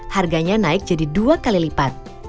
harganya naik jadi dua kali lipat